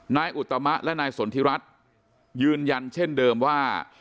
อุตมะและนายสนทิรัฐยืนยันเช่นเดิมว่า